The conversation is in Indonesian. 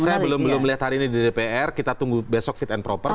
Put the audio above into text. saya belum melihat hari ini di dpr kita tunggu besok fit and proper